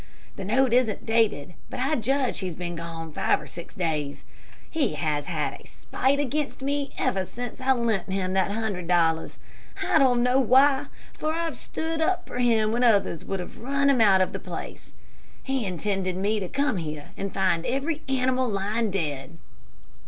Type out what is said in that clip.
The note isn't dated, but I judge he's been gone five or six days. He has had a spite against me ever since I lent him that hundred dollars. I don't know why, for I've stood up for him when others would have run him out of the place. He intended me to come here and find every animal lying dead.